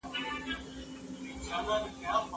لوښي مينځه!؟